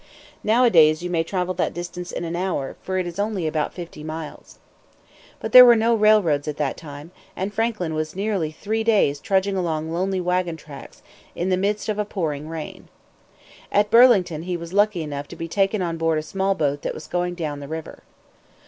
Nowadays you may travel that distance in an hour, for it is only about fifty miles. But there were no railroads at that time; and Franklin was nearly three days trudging along lonely wagon tracks, in the midst of a pouring rain. At Burlington he was lucky enough to be taken on board a small boat that was going down the river.